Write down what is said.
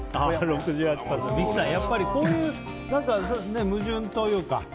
三木さん、こういう矛盾というか。